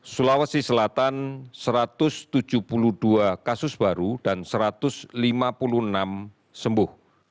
sulawesi selatan satu ratus tujuh puluh dua kasus baru dan satu ratus lima puluh enam sembuh